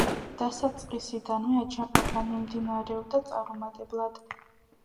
დასაწყისიდანვე აჯანყება მიმდინარეობდა წარუმატებლად.